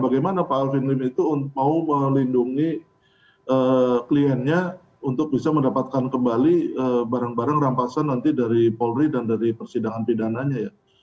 bagaimana pak alvin lim itu mau melindungi kliennya untuk bisa mendapatkan kembali barang barang rampasan nanti dari polri dan dari persidangan pidananya ya